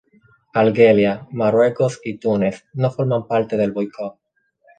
Argelia, Marruecos y Túnez no forman parte del boicot.